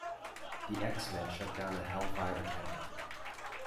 The X-Men shut down the Hellfire Academy.